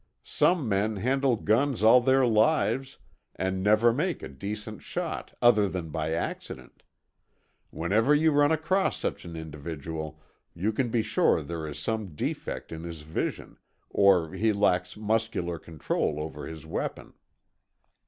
Some men handle guns all their lives, and never make a decent shot other than by accident. Whenever you run across such an individual you can be sure there is some defect in his vision, or he lacks muscular control over his weapon."